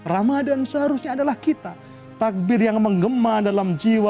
ramadhan seharusnya adalah kita